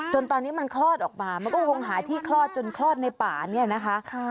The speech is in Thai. จนตอนนี้มันคลอดออกมามันก็คงหาที่คลอดจนคลอดในป่าเนี่ยนะคะ